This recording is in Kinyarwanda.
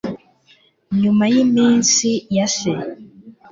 Nyuma y'iminsi ya se